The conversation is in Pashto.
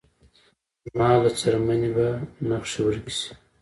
زما له څرمنې به نخښې ورکې شې